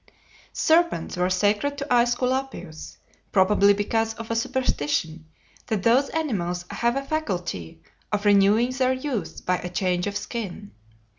Serpents 'were sacred to Aesculapius, probably because of a superstition that those animals have a faculty of renewing their youth by a change of skin.